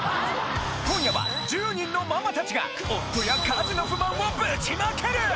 今夜は１０人のママたちが夫や家事の不満をぶちまける！